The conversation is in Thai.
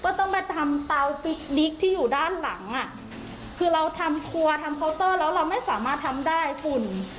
ต้องไปทำเตาฟิกดิ๊กที่อยู่ด้านหลังอ่ะคือเราทำครัวทำเคาน์เตอร์แล้วเราไม่สามารถทำได้ฝุ่น